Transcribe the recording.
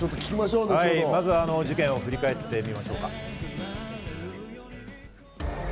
まず事件を振り返ってみましょうか。